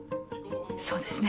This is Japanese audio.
そうですね。